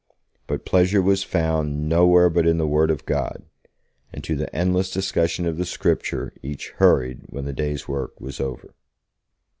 But pleasure was found nowhere but in the Word of God, and to the endless discussion of the Scriptures each hurried when the day's work was over.